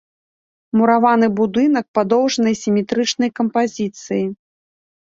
Мураваны будынак падоўжанай сіметрычнай кампазіцыі.